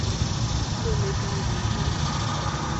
Ndị omebe iwu ibe ya